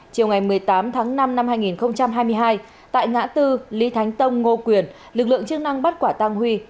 chiều ngày một mươi tám tháng năm năm hai nghìn hai mươi hai tại ngã tư lý thánh tông ngô quyền lực lượng chức năng bắt quả tăng huy